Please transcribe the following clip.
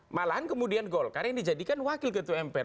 malahan kemudian golkar yang dijadikan wakil ketua mpr